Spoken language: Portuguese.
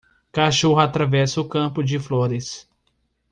Cachorro atravessa o campo de flores